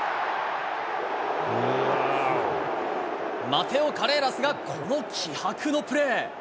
マテオ・カレーラスがこの気迫のプレー。